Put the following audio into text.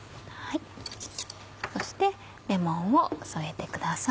そしてレモンを添えてください。